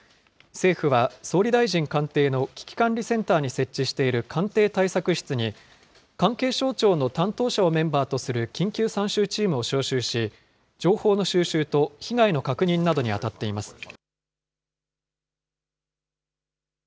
政府は総理大臣官邸の危機管理センターに設置している官邸対策室に関係省庁の担当者をメンバーとする緊急参集チームを招集し、情報の収集と被害の確認などに当たっています。